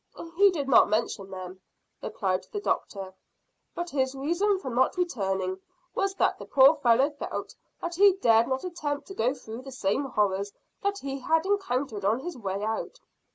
"He did not mention them," replied the doctor; "but his reason for not returning was that the poor fellow felt that he dared not attempt to go through the same horrors that he had encountered on his way out.